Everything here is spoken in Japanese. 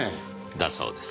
だそうです。